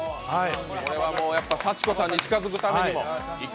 これはもう幸子さんに近づくためにも。